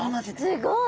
すごい。